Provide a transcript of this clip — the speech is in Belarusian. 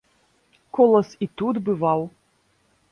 Колас і тут бываў!